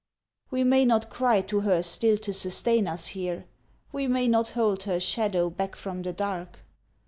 We may not cry to her still to sustain us here, We may not hold her shadow back from the dark.